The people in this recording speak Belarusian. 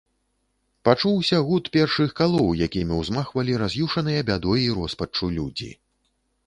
Пачуўся гуд першых калоў, якімі ўзмахвалі раз'юшаныя бядой і роспаччу людзі.